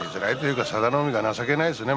佐田の海が情けないですね